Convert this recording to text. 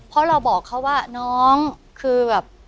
เพราะเราบอกเขาว่าน้องคือแบบ